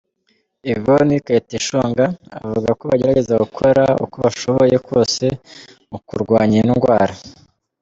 Yvonne Kayiteshonga, avuga ko bagerageza gukora uko bashoboye kose mu kurwanya iyi ndwara.